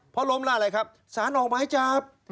เพราะล้มแล้วอะไรครับศาลออกมาให้จับ